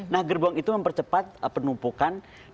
nah gerbong itu mempercepat penumpukan